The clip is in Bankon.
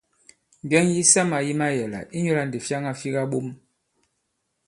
Ŋgɛŋ yisamà yi mayɛ̀là, inyūlā ndǐ fyaŋa fi kaɓom.